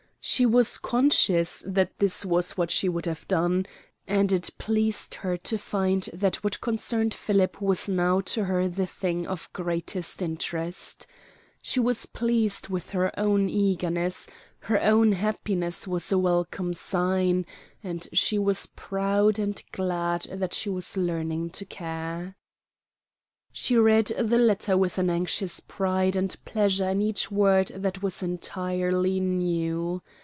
She was conscious that this was what she would have done, and it pleased her to find that what concerned Philip was now to her the thing of greatest interest. She was pleased with her own eagerness her own happiness was a welcome sign, and she was proud and glad that she was learning to care. She read the letter with an anxious pride and pleasure in each word that was entirely new.